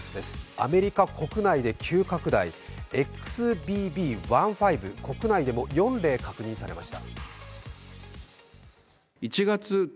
アメリカ国内で急拡大、ＸＢＢ．１．５、国内でも４例確認されました。